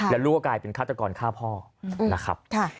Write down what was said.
แล้วลูกก็กลายเป็นฆาตกรฆ่าพ่อนะครับ